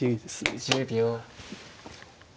１０秒。